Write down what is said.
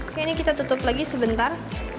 oke ini kita tutup lagi sebentar